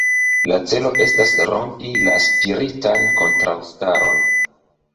La celo estas rompi la spiritan kontraŭstaron.